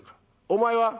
お前は？」。